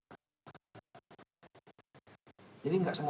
jadi tidak semua